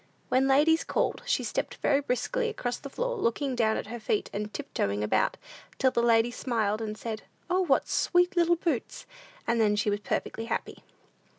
When ladies called, she stepped very briskly across the floor, looking down at her feet, and tiptoeing about, till the ladies smiled, and said, "O, what sweet little boots!" and then she was perfectly happy.